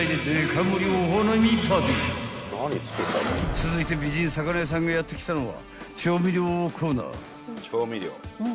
［続いて美人魚屋さんがやって来たのは］